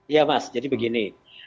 iya mas jadi begini